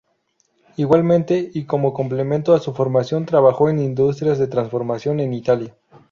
Igualmente, y como complemento a su formación, trabajó en industrias de transformación en Italia.